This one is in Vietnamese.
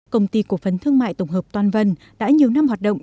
công ty cổ phấn thương mại tổng hợp toàn vân đã nhiều năm hoạt động